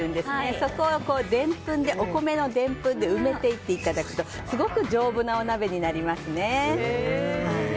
そこを、お米のでんぷんで埋めていただくとすごく丈夫なお鍋になりますね。